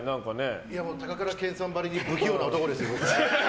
高倉健さんばりに無器用な男ですから僕は。